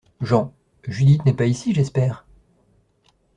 JEAN : Judith n’est pas ici, j’espère ?